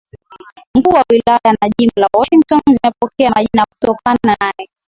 Mkuu wa wilaya na jimbo la Washington vimepokea majina kutokana nae